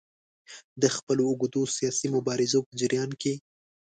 د خپلو اوږدو سیاسي مبارزو په جریان کې.